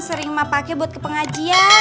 sering emak pake buat ke pengajian